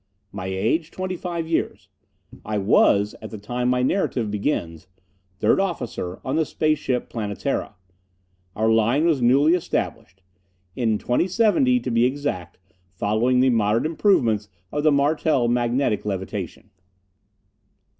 My age, twenty five years. I was, at the time my narrative begins, Third Officer on the Space Ship Planetara. Our line was newly established; in 2070, to be exact, following the modern improvements of the Martel Magnetic Levitation.